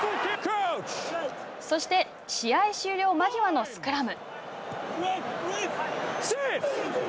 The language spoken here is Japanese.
そして試合終了間際のスクラム。